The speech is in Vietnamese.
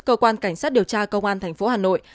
cơ quan cảnh sát điều tra công an tp hà nội